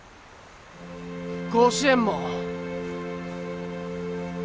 甲子園も。